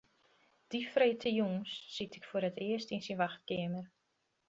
Dy freedtejûns siet ik foar it earst yn syn wachtkeamer.